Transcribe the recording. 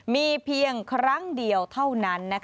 มีเพียงครั้งเดียวเท่านั้น